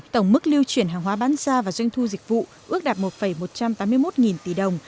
tổng mức lưu chuyển hàng hóa bán ra và doanh thu dịch vụ ước đạt một một trăm tám mươi một tỷ đồng